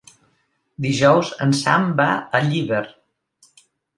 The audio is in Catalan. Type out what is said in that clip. Dijous en Sam va a Llíber.